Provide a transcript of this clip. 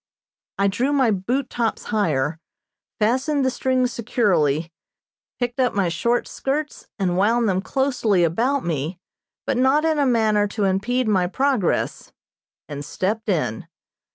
I drew my boot tops higher, fastened the strings securely, picked up my short skirts and wound them closely about me, but not in a manner to impede my progress, and stepped in.